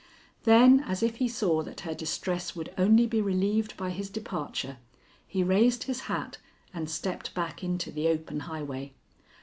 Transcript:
Then, as if he saw that her distress would only be relieved by his departure, he raised his hat and stepped back into the open highway.